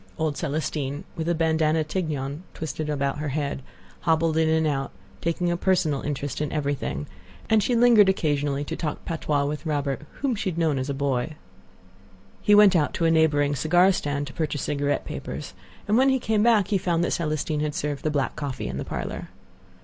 Old Celestine, with a bandana tignon twisted about her head, hobbled in and out, taking a personal interest in everything; and she lingered occasionally to talk patois with Robert, whom she had known as a boy. He went out to a neighboring cigar stand to purchase cigarette papers, and when he came back he found that Celestine had served the black coffee in the parlor.